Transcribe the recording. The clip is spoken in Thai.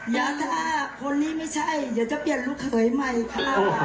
เดี๋ยวถ้าคนนี้ไม่ใช่เดี๋ยวจะเปลี่ยนลูกเขยใหม่ค่ะ